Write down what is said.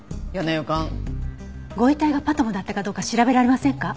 ご遺体がＰＡＴＭだったかどうか調べられませんか？